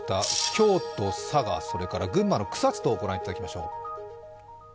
京都、佐賀、それから群馬の草津とご覧いただきましょう。